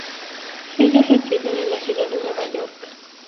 Ellos residen en la ciudad de Nueva York.